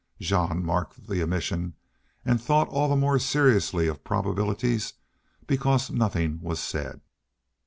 Jean marked the omission and thought all the more seriously of probabilities because nothing was said.